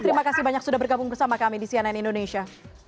terima kasih banyak sudah bergabung bersama kami di cnn indonesia